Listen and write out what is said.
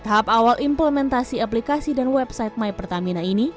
tahap awal implementasi aplikasi dan website mypertamina ini